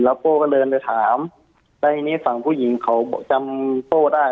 แล้วโป้ก็เดินไปถามใดนี้ฝั่งผู้หญิงเขาจำโป้ได้